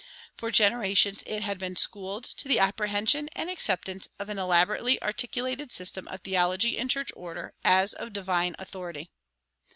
For generations it had been schooled to the apprehension and acceptance of an elaborately articulated system of theology and church order as of divine authority.